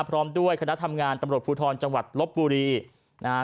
พร้อมด้วยคณะทำงานตำรวจภูทรจังหวัดลบบุรีนะฮะ